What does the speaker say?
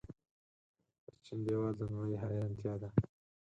د چین دیوال د نړۍ حیرانتیا ده.